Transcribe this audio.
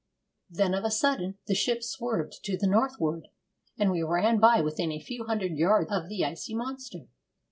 Then, of a sudden, the ship swerved to the north ward, and we ran by within a few hundred yards of the icy monster.